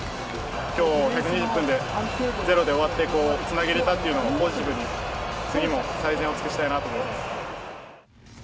きょう１２０分で、０で終わってつなげれたっていうのをポジティブに、次も最善を尽くしたいなと思います。